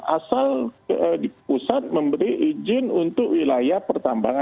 asal di pusat memberi izin untuk wilayah pertambangan